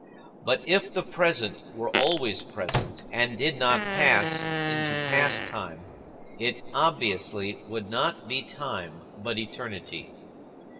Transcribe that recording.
But if the present were always present, and did not pass into past time, it obviously would not be time but eternity.